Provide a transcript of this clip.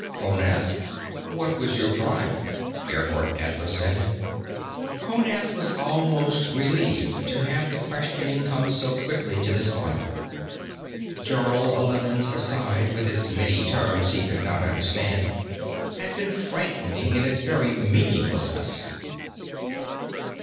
"Honath, what was your crime?" Gerhardt Adler said. Honath was almost relieved to have the questioning come so quickly to this point. Jarl Eleven's aside, with its many terms he could not understand, had been frightening in its very meaninglessness.